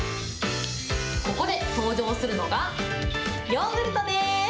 ここで登場するのがヨーグルトです。